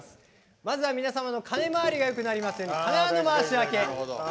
まずは皆様方の金回りがよくなりますように金輪の回し分け。